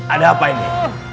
ada apa ini